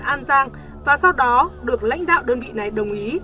an giang và sau đó được lãnh đạo đơn vị này đồng ý